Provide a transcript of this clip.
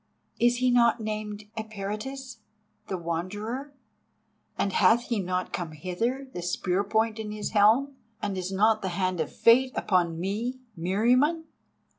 "Is he not named Eperitus, the Wanderer? And hath he not come hither, the spear point in his helm? And is not the hand of Fate upon me, Meriamun?